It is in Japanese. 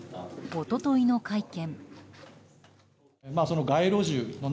一昨日の会見。